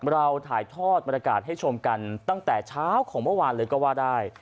เราถ่ายทอดบรรยากาศให้ชมกันตั้งแต่เช้าของเมื่อวานเลยก็ว่าได้